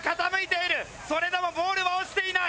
それでもボールは落ちていない！